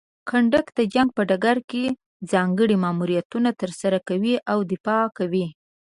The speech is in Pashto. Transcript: کنډک د جنګ په ډګر کې ځانګړي ماموریتونه ترسره کوي او دفاع کوي.